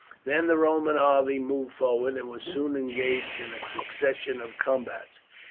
Then the Roman army moved forward, and was soon engaged in a succession of combats.